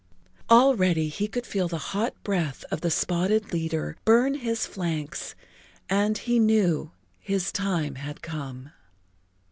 Already he could feel the hot breath of the spotted leader burn his flanks and he knew his time had come.